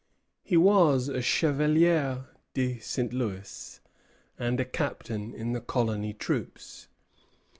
He was a chevalier de St. Louis and a captain in the colony troops.